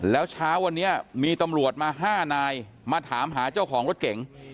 แล้วเช้าวันนี้มีตำรวจมา๕นายมาถามหาเจ้าของรถเก๋ง